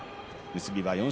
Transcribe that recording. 結びは翠